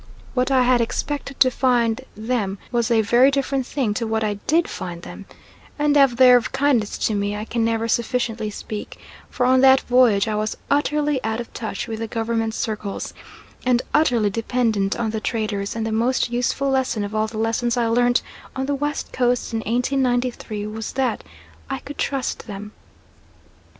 What I had expected to find them was a very different thing to what I did find them; and of their kindness to me I can never sufficiently speak, for on that voyage I was utterly out of touch with the governmental circles, and utterly dependent on the traders, and the most useful lesson of all the lessons I learnt on the West Coast in 1893 was that I could trust them.